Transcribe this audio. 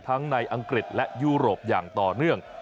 ในอังกฤษและยุโรปอย่างต่อเนื่อง